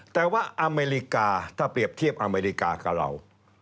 แต่ว่าอเมริกาถ้าเปรียบเทียบอเมริกากับเรา